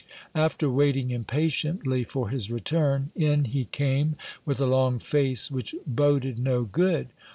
After waiting impatiently for his return, in he came with a long face which boded no good.